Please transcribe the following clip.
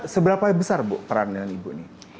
seberapa besar bu peran dengan ibu ini